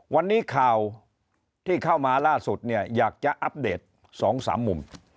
วันนี้ข่าวที่เข้ามาล่าสุดเนี่ยอยากจะอัปเดต๒๓มุม